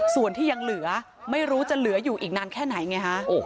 ส่วนที่ยังเหลือไม่รู้จะเหลืออยู่อีกนานแค่ไหนไงฮะ